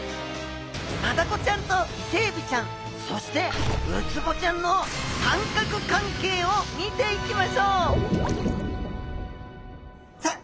マダコちゃんとイセエビちゃんそしてウツボちゃんの三角関係を見ていきましょうさあ